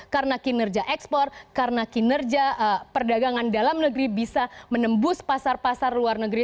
karena kinerja ekspor karena kinerja perdagangan dalam negeri bisa menembus pasar pasar luar negeri